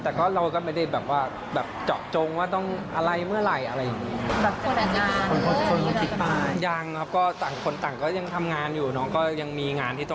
แต่เราก็ไม่ได้จอกจงว่าต้องอะไรเมื่อไหร่อะไรอย่างนี้